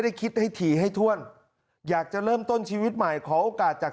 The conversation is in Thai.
คิดให้ถี่ให้ถ้วนอยากจะเริ่มต้นชีวิตใหม่ขอโอกาสจาก